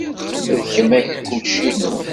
D kemm ay d kullec-inu.